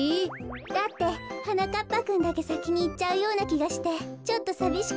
だってはなかっぱくんだけさきにいっちゃうようなきがしてちょっとさびしかったの。